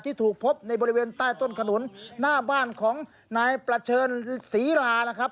ที่ถูกพบในบริเวณใต้ต้นขนุนหน้าบ้านของนายประเชิญศรีลานะครับ